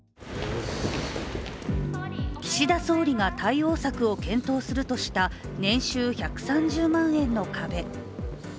岸田総理が対応策を検討するとした年収１３０万円の壁。